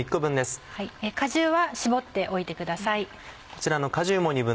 果汁は絞っておいてください。